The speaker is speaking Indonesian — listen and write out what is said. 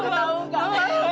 mama juga hancur